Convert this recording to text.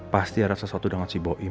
pasti ada sesuatu dengan si boi